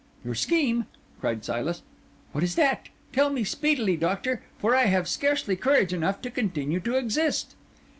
"Your scheme?" cried Silas. "What is that? Tell me speedily, Doctor; for I have scarcely courage enough to continue to exist."